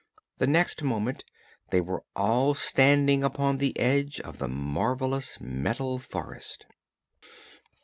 The next moment they were all standing upon the edge of the marvelous Metal Forest.